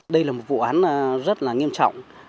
đây là một vụ án rất nghiêm trọng